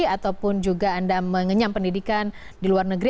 ataupun juga anda mengenyam pendidikan di luar negeri